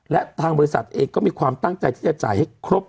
และทางบริษัทเองก็มีความตั้งใจที่จะจ่ายให้ครบ